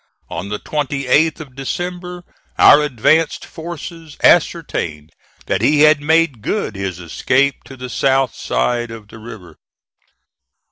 On the 28th of December our advanced forces ascertained that he had made good his escape to the south side of the river.